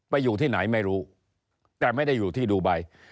อยู่ที่ไหนไม่รู้แต่ไม่ได้อยู่ที่ดูไบ